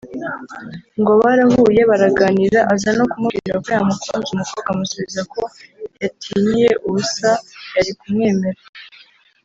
ngo barahuye baraganira aza no kumubwira ko yamukunze umukobwa amusubiza ko yatinyiye ubusa yari kumwemerera